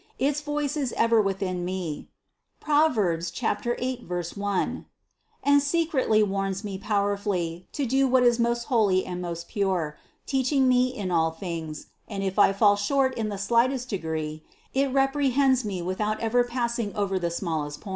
Its voice is ever within me (Prov. 8, 1) and se cretly warns me powerfully to do what is most holy and most pure, teaching me in all things ; and if I fall short in the slightest degree, it reprehends me without ever pass ing over the smallest point.